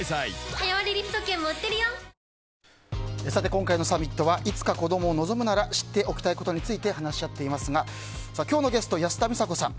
今回のサミットはいつか子供を望むなら知っておきたいことについて話し合っていますが今日のゲスト、安田美沙子さん